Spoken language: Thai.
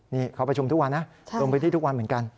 นี่เขาประชุมทุกวันนะลงพื้นที่ทุกวันเหมือนกัน